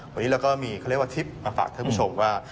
วันนี้เราก็มีทริปมาฝากให้ทุกผู้ชมว่า